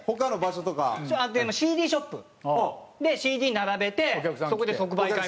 ＣＤショップでＣＤ並べてそこで即売会みたいなの。